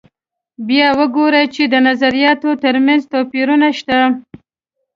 بیا وګورو چې د نظریاتو تر منځ توپیرونه شته.